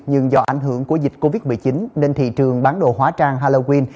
nhưng do ảnh hưởng của dịch covid một mươi chín nên thị trường bán đồ hóa trang halloween